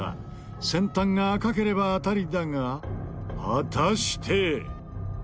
先端が赤ければ当たりだが果たして。